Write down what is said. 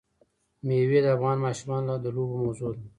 مېوې د افغان ماشومانو د لوبو موضوع ده.